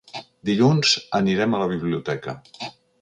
Dilluns anirem a la biblioteca.